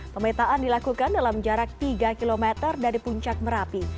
pemetaan dilakukan dalam jarak tiga km dari puncak merapi